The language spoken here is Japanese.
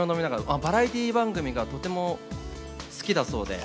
バラエティー番組がとても好きだそうで。